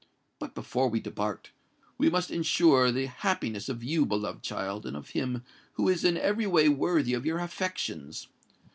But before we depart, we must ensure the happiness of you, beloved child, and of him who is in every way worthy of your affections.